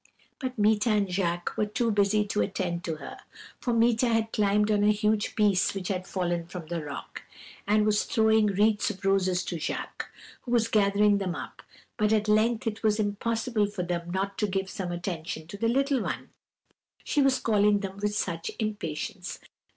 "But Meeta and Jacques were too busy to attend to her, for Meeta had climbed on a huge piece which had fallen from the rock, and was throwing wreaths of roses to Jacques, who was gathering them up; but at length it was impossible for them not to give some attention to the little one, she was calling to them with such impatience.